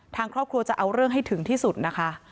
ทางครอบครัวจะเอาเรื่องให้ถึงที่สุดนะคะ